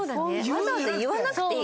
わざわざ言わなくていい。